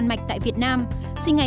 mặc dù việt nam là một nơi